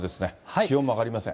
気温も上がりません。